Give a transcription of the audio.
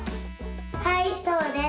はいそうです。